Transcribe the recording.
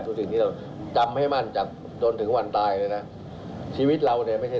จันทรลวีคือมั่นจับจนถึงวันตายเลยนะชีวิตเราเนี่ยไม่ใช่